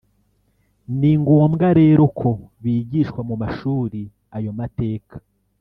ni ngombwa rero ko bigishwa mu mashuri ayo mateka